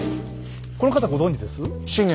この方ご存じです？